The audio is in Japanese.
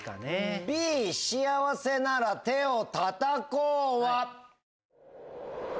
『幸せなら手をたたこう』は？